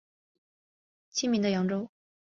明清的扬州。